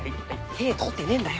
手通ってねえんだよ。